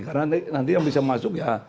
karena nanti yang bisa masuk ya